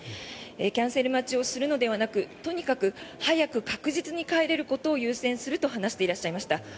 キャンセル待ちをするのではなくとにかく早く確実に帰れることを優先すると話していらっしゃいました。